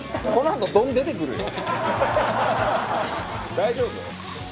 「大丈夫？」